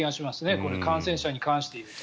これ、感染者に関して言うと。